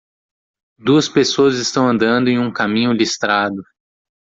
Duas pessoas estão andando em um caminho listrado.